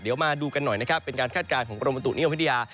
เดี๋ยวมาดูกันหน่อยนะครับเป็นการคาดการณ์ของกรมบุตุนิยมวิทยา